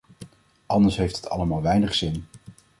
Anders heeft het allemaal weinig zin.